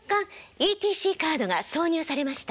「ＥＣＴカードが挿入されました」